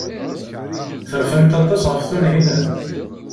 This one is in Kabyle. Terfamt aṭas ɣef Tunhinan.